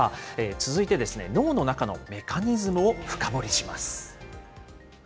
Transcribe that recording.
続いて、脳の中のメカニズムを深掘りします。